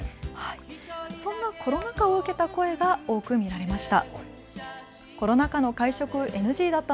そんなコロナ禍を受けた声が多く見られました。